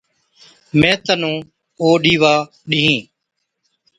مين تنُون او ڏِيوا ڏِيهِين۔